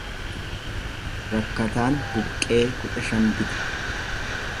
Rakkataan buqqee kudha shan bite.